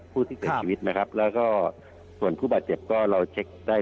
ผู้ที่เสียชีวิตนะครับแล้วก็ส่วนผู้บาดเจ็บก็เราเช็คได้